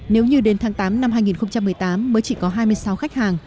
nếu như đến tháng tám năm hai nghìn một mươi tám mới chỉ có hai mươi sáu khách hàng